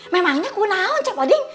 memangnya kunaun cep oding